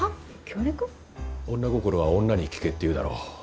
女心は女に聞けっていうだろ？